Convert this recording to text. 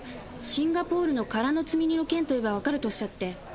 シンガポールの空の積荷の件と言えばわかるとおっしゃって。